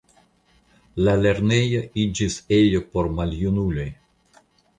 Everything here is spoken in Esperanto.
La lernejo iĝis ejo por maljunuloj.